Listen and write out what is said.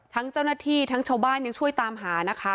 ทั้งเจ้าหน้าที่ทั้งชาวบ้านยังช่วยตามหานะคะ